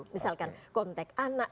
misalkan kontek anak